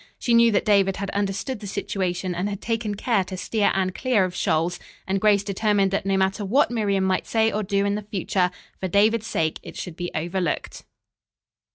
She knew that David had understood the situation and had taken care to steer Anne clear of shoals, and Grace determined that no matter what Miriam might say or do in future, for David's sake it should be overlooked.